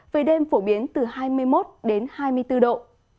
về đêm phổ biến từ hai mươi một đến hai mươi bốn độ